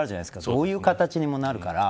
どういう形にもなるから。